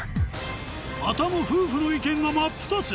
またも夫婦の意見が真っ二つ